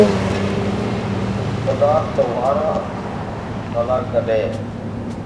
خدا تمہارر بھلا کرے